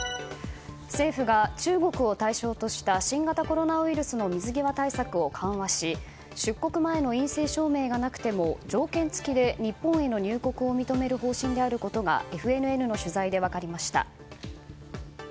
政府が、中国を対象とした新型コロナウイルスの水際対策を緩和し出国前の陰性証明がなくても条件付きで日本への入国を認める方針であることがＦＮＮの取材で分かりました。